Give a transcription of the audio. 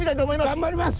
頑張ります！